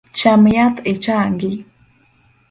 Cham yath ichangi.